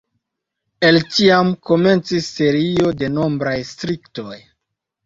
El tiam komencis serio de nombraj strikoj.